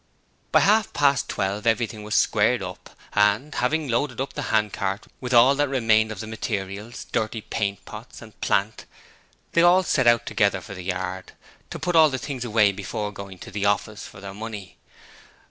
By half past twelve everything was squared up, and, having loaded up the hand cart with all that remained of the materials, dirty paint pots and plant, they all set out together for the yard, to put all the things away before going to the office for their money.